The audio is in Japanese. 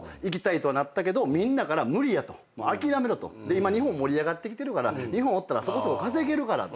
今日本盛り上がってきてるから日本おったらそこそこ稼げるから。